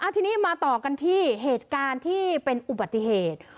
ทีนี้มาต่อกันที่เหตุการณ์ที่เป็นอุบัติเหตุ